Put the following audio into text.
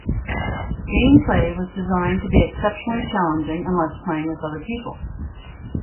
Gameplay was designed to be exceptionally challenging unless playing with other people.